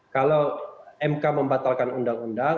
kalau mk membatalkan undang undang